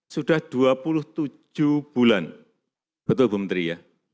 sudah dua puluh tujuh bulan betul bu menteri ya